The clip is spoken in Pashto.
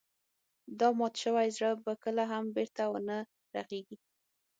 دا مات شوی زړه به کله هم بېرته ونه رغيږي.